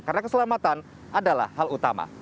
karena keselamatan adalah hal utama